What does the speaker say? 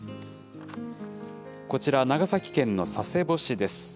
こちら、長崎県の佐世保市です。